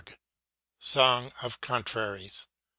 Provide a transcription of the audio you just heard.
SONG OF CONTRARIES.